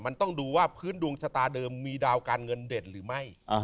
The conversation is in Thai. มันต้องดูว่าพื้นดวงชะตาเดิมมีดาวการเงินเด่นหรือไม่